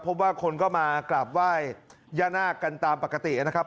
พบว่าคนก็มากราบไหว้ย่านาคกันตามปกตินะครับ